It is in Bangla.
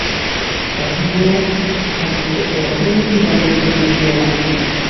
অন্তত এখন তো দ্বন্দ্ব মিটিয়ে নাও?